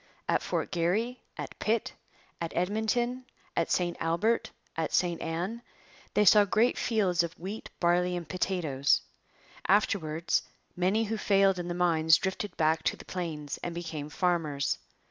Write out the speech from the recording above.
At Fort Garry, at Pitt, at Edmonton, at St Albert, at St Ann, they saw great fields of wheat, barley, and potatoes. Afterwards many who failed in the mines drifted back to the plains and became farmers.